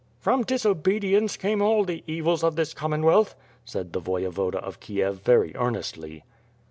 .." "From disobedience came all the evils of this Common wealth/' said the Voyevoda of Kiev very earnestly.